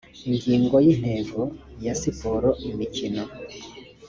ingingo ya intego ya siporo imikino